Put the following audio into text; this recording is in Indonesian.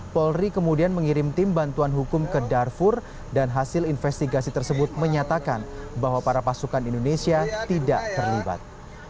polri kemudian mengirim tim bantuan hukum ke darfur dan hasil investigasi tersebut menyatakan bahwa para pasukan indonesia tidak terlibat